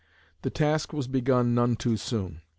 The task was begun none too soon.